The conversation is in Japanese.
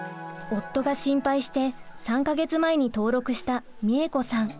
夫が心配して３か月前に登録したみえ子さん。